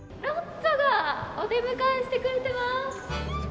ロッツォがお出迎えしてくれてます！